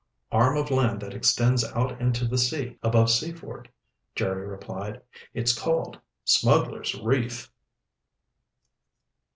"Arm of land that extends out into the sea above Seaford," Jerry replied. "It's called Smugglers' Reef."